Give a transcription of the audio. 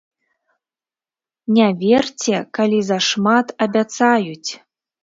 Не верце, калі зашмат абяцаюць!